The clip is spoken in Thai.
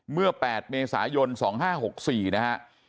เมื่อ๘เมษายน๒๕๖๔นะฮะ